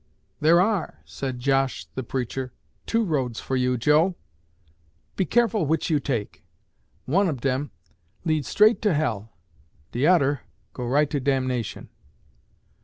'There are,' said Josh the preacher, 'two roads for you, Joe. Be careful which you take. One ob dem leads straight to hell, de odder go right to damnation.'